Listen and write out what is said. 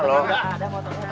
udah udah motornya lagi